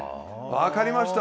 分かりました。